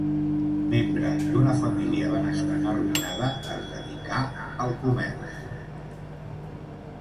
Membre d'una família benestant arruïnada, es dedicà al comerç.